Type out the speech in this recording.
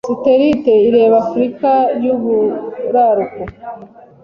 Satelite ireba Afrika yuburaruko